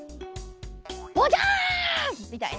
ボジャン！みたいな。